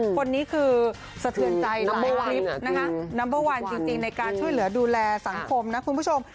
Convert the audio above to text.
คนนี้คือสะเทือนใจนัมเบอร์คลิปนะคะนัมเบอร์วันจริงในการช่วยเหลือดูแลสังคมนะคุณผู้ชม